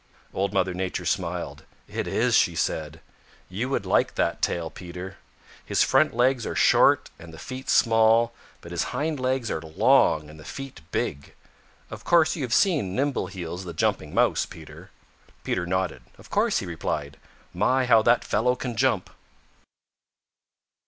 Old Mother Nature smiled. "It is," said she. "You would like that tail, Peter. His front legs are short and the feet small, but his hind legs are long and the feet big. Of course you have seen Nimbleheels the Jumping Mouse, Peter." Peter nodded. "Of course," he replied. "My how that fellow can jump!"